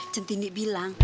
cinti indy bilang